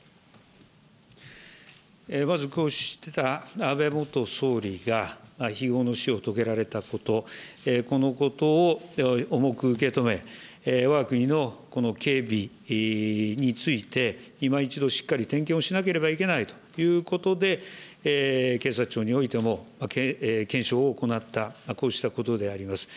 まず、安倍元総理が非業の死を遂げられたこと、このことを重く受け止め、わが国のこの警備について、いま一度しっかり点検をしなければいけないということで、警察庁においても、検証を行った、こうしたことであります。